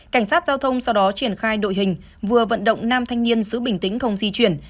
cảnh sát giao thông sau đó triển khai đội hình vừa vận động nam thanh niên giữ bình tĩnh không di chuyển